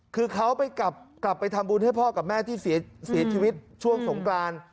คือเขาไปกลับไปทำบุญให้พ่อกับแม่ที่เสียชีวิตช่วงสงกราน